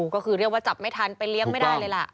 ก็คือเรียกว่าจับไม่ทันไปเลี้ยงไม่ได้เลยล่ะ